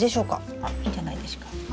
あいいんじゃないでしょうか。